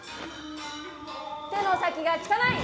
手の先が汚い！